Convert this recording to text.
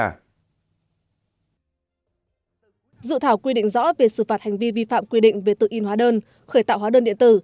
tại dự thảo nghị định quy định rõ về xử phạt hành vi vi phạm quy định về tự in hóa đơn khởi tạo hóa đơn điện tử